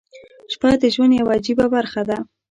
• شپه د ژوند یوه عجیبه برخه ده.